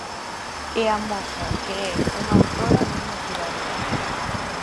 E amosa que é unha autora moi motivadora.